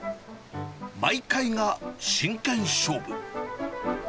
毎回が真剣勝負。